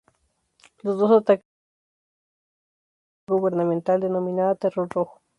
Los dos ataques condujeron a una ola de represión gubernamental denominada Terror rojo.